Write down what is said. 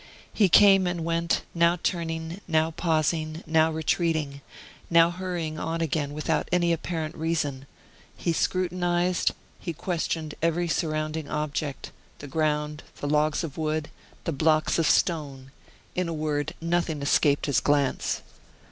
He came and went, now turning, now pausing, now retreating, now hurrying on again without any apparent reason; he scrutinized, he questioned every surrounding object: the ground, the logs of wood, the blocks of stone, in a word, nothing escaped his glance.